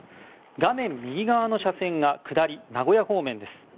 画面右側の車線が下り名古屋方面です。